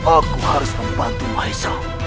aku harus membantu mahesa